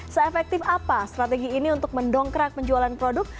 se efektif apa strategi ini untuk mendongkrak penjualan produk